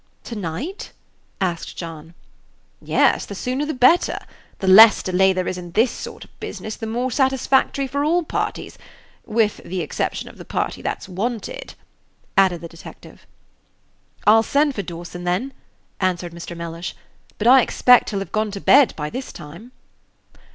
"To night?" asked John. "Yes; the sooner the better. The less delay there is in this sort of business, the more satisfactory for all parties with the exception of the party that's wanted," added the detective. "I'll send for Dawson, then," answered Mr. Mellish; "but I expect he'll have gone to bed by this time."